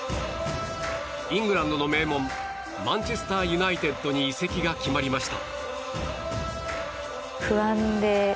イングランドの名門マンチェスター・ユナイテッドに移籍が決まりました。